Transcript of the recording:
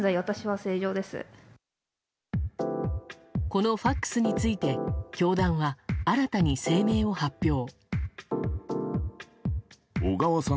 このＦＡＸについて教団は新たに声明を発表。